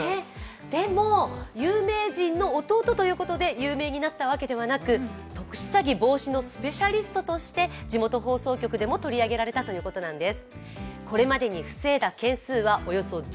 でも有名人の弟ということで有名になったわけではなく特殊詐欺防止のスペシャリストとして、地元放送局でも取り上げられたということなんです。